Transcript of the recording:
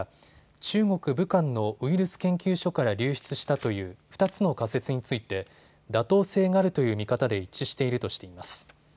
中国・武漢のウイルス研究所から流出したという２つの仮説について妥当性があるという見方で一致しているとしています。